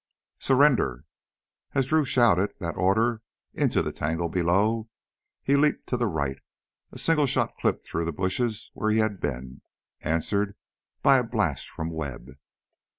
"Surrender!" As Drew shouted that order into the tangle below, he leaped to the right. A single shot clipped through the bushes where he had been, answered by a blast from Webb.